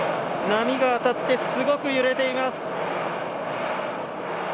波が当たってすごく揺れています。